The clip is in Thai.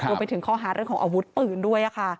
รวมถึงข้อหาเรื่องของอาวุธปืนด้วย